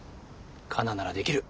カナならできる。